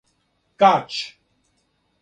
Каћ